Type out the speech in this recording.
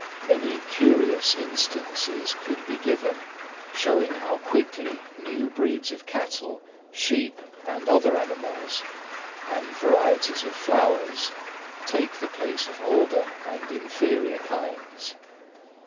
Many curious instances could be given showing how quickly new breeds of cattle, sheep and other animals, and varieties of flowers, take the place of older and inferior kinds.